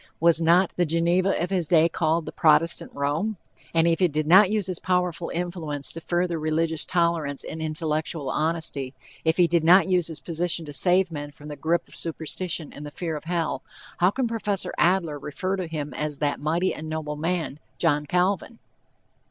Was not the Geneva of his day called the Protestant Rome? And if he did not use his powerful influence to further religious tolerance and intellectual honesty; if he did not use his position to save men from the grip of superstition and the fear of hell, how can Prof. Adler refer to him as "that mighty and noble man John Calvin?"